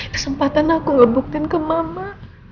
ma kesempatan aku ngebuktin ke mama